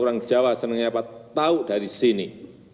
orang jawa senangnya apa tahu dari sini